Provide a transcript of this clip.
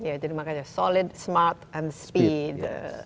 ya jadi makanya solid smart and speed